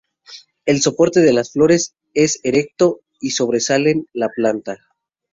El soporte de las flores es erecto y sobresalen la planta.